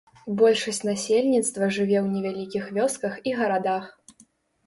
Большасць насельніцтва жыве ў невялікіх вёсках і гарадах.